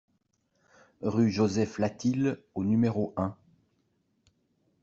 Rue Joseph Latil au numéro un